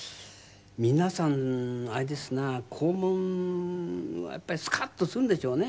皆さんあれですな『黄門』はやっぱりスカッとするんでしょうね。